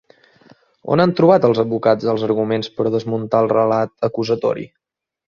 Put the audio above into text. On han trobat els advocats els arguments per a desmuntar el relat acusatori?